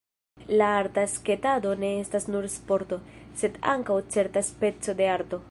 La arta sketado ne estas nur sporto, sed ankaŭ certa speco de arto.